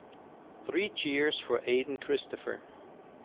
Three cheers for Aden Christopher.